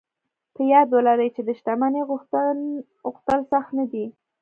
په ياد ولرئ چې د شتمنۍ غوښتل سخت نه دي.